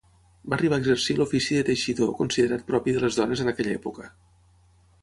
Va arribar a exercir l'ofici de teixidor considerat propi de les dones en aquella època.